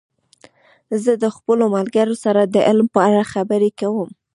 زه د خپلو ملګرو سره د علم په اړه خبرې کوم.